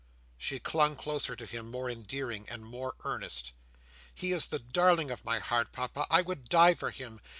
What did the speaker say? She clung closer to him, more endearing and more earnest. "He is the darling of my heart, Papa I would die for him.